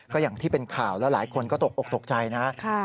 ก็อย่างที่เป็นข่าวแล้วหลายคนก็ตกอกตกใจนะ